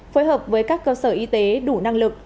phối hợp với các cơ sở y tế đủ năng lực